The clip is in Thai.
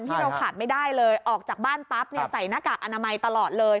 ที่เราขาดไม่ได้เลยออกจากบ้านปั๊บเนี่ยใส่หน้ากากอนามัยตลอดเลย